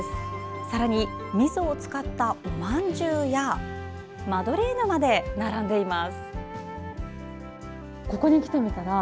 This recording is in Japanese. さらにみそを使ったおまんじゅうやマドレーヌまで並んでいます。